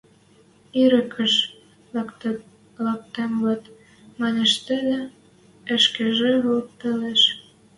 — Ирӹкӹш лӓктӹм вет! — манеш тӹдӹ, ӹшкежӹ ваштылеш.